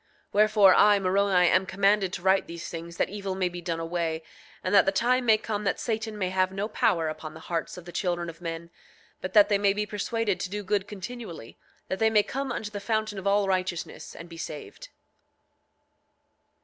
8:26 Wherefore, I, Moroni, am commanded to write these things that evil may be done away, and that the time may come that Satan may have no power upon the hearts of the children of men, but that they may be persuaded to do good continually, that they may come unto the fountain of all righteousness and be saved.